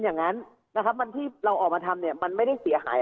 อย่างนั้นนะครับวันที่เราออกมาทำเนี่ยมันไม่ได้เสียหาย